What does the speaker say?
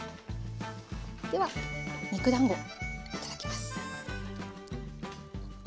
では肉だんごいただきます。